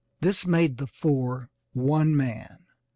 This made the four one man.